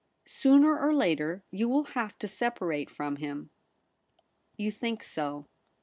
Sooner or later, you will have to separate from him.' 'You think so.'